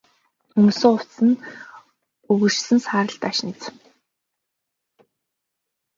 Өмссөн хувцас нь өгөршсөн саарал даашинз.